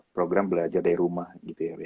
program belajar dari rumah gitu ya